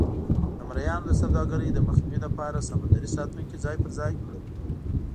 د مریانو د سوداګرۍ د مخنیوي لپاره سمندري ساتونکي ځای پر ځای کړل.